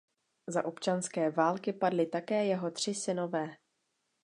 Za občanské války padli také jeho tři synové.